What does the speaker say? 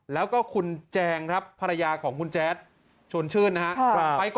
แล้วก็คุณแจงครับภรรยาของคุณแจ๊ดชวนชื่นนะครับ